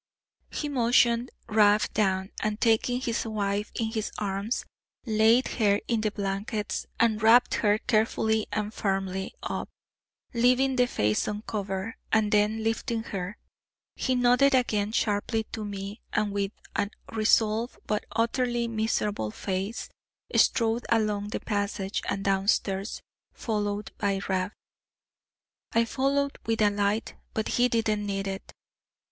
He motioned Rab down, and taking his wife in his arms, laid her in the blankets, and wapped her carefully and firmly up, leaving the face uncovered; and then lifting her, he nodded again sharply to me, and with a resolved but utterly miserable face, strode along the passage, and downstairs, followed by Rab. I followed with a light; but he didn't need it.